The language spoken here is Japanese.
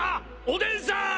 おでんさん